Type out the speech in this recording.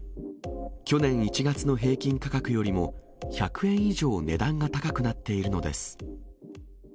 去年１月の平均価格よりも１００円以上値段が高くなっているのです。